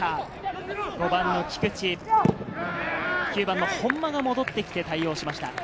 ５番の菊池、９番の本間が戻ってきて対応しました。